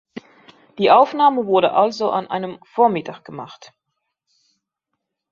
Die Aufnahme wurde also an einem Vormittag gemacht.